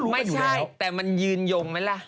ไม่ใช่แต่มันยืนยมไหมล่ะ